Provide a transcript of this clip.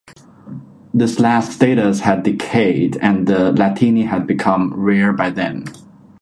This last status had decayed and the Latini had become rare by then.